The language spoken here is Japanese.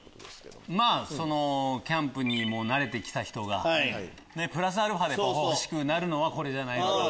まぁキャンプにも慣れて来た人がプラスアルファで欲しくなるのはこれじゃないのかな。